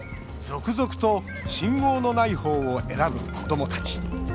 続々と信号のないほうを選ぶ子どもたち。